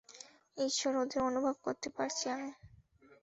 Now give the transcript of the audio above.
ঈশ্বর, ওদের অনুভব করতে পারছি আমি!